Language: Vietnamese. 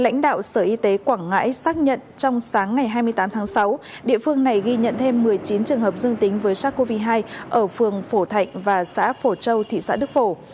lãnh đạo sở y tế quảng ngãi xác nhận trong sáng ngày hai mươi tám tháng sáu địa phương này ghi nhận thêm một mươi chín trường hợp dương tính với sars cov hai ở phường phổ thạnh và xã phổ châu thị xã đức phổ